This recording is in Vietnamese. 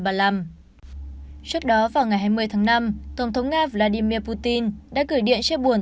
trước đó vào ngày hai mươi tháng năm tổng thống nga vladimir putin đã gửi điện chia buồn